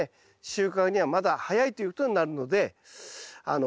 収穫にはまだ早いということになるので気をつけて下さい。